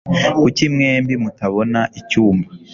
Kuki mwembi mutabona icyumba?